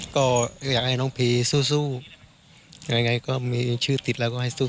ก็อยากให้น้องพีสู้สู้ยังไงก็มีชื่อติดแล้วก็ให้สู้